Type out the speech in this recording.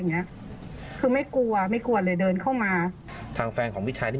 เนี้ยคือไม่กลัวไม่กลัวเลยเดินเข้ามาทางแฟนของพี่ชายนี่